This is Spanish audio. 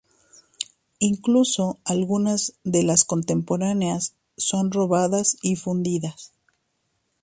Incluso algunas de las contemporáneas son robadas y fundidas.